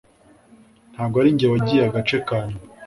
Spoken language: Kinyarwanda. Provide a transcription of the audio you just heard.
Ntabwo ari njye wariye agace ka nyuma